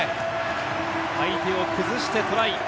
相手を崩してトライ。